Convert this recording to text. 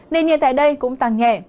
nền nhiệt tại đây cũng tăng nhẹ